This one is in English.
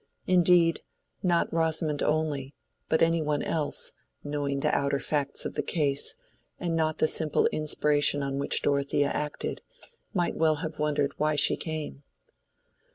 Indeed, not Rosamond only, but any one else, knowing the outer facts of the case, and not the simple inspiration on which Dorothea acted, might well have wondered why she came.